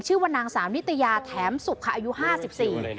ชื่อว่านางสามนิตยาแถมสุขอายุ๕๔ปี